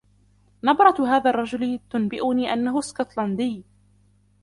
نبرة هذا الرجل تنبئني أنه اسكتلندي.